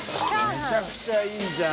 めちゃくちゃいいじゃん。